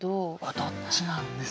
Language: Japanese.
どっちなんですかね。